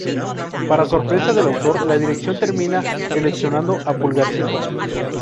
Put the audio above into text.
Para sorpresa del autor, la dirección termina seleccionando a Pulgarcito.